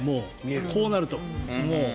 こうなると。